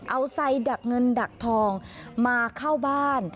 เอาไซดักเงินดักทองมาเข้าบ้าน